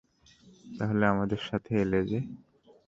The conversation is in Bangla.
তাহলে আমাদের সাথে এলে যে?